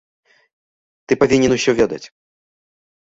Ты павінен усё ведаць.